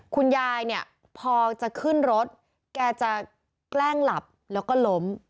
คุณยายเนี่ยพอจะขึ้นรถแกจะแกล้งหลับแล้วก็ล้ม